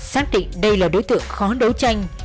xác định đây là đối tượng khó đấu tranh